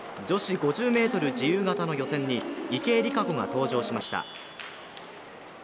女子５０ｍ自由形の予選に池江璃花子が登場しました。